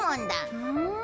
ふん。